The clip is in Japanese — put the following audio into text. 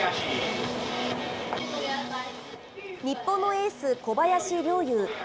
日本のエース、小林陵侑。